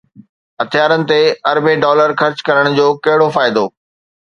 هٿيارن تي اربين ڊالر خرچ ڪرڻ جو ڪهڙو فائدو؟